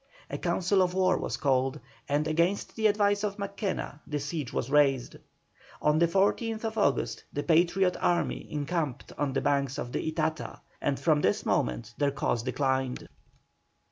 A council of war was called, and against the advice of Mackenna the siege was raised. On the 14th August the Patriot army encamped on the banks of the Itata, and from this moment their cause declined.